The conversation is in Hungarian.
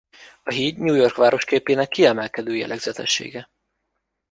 A híd New York városképének kiemelkedő jellegzetessége.